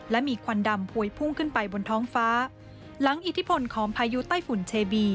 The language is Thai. และมีควันดำพวยพุ่งขึ้นไปบนท้องฟ้าหลังอิทธิพลของพายุไต้ฝุ่นเชบี